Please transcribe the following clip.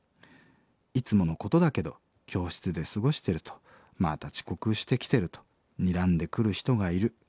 いつものことだけど教室で過ごしてるとまた遅刻してきてるとにらんでくる人がいる。